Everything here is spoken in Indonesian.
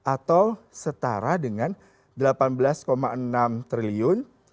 atau setara dengan delapan belas enam triliun